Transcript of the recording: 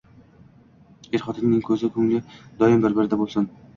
Er-xotinning ko‘zi, ko‘ngli doim bir-birida bo‘lsin.